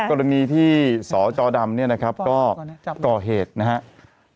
กรณีที่สจดำก็ก่อเหตุนะครับ